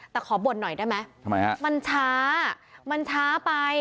แต่ขอบ่นหน่อยได้ไหมมันช้ามันช้าไป